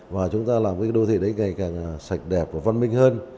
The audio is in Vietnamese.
và chúng ta làm cái đô thị đấy ngày càng sạch đẹp và văn minh hơn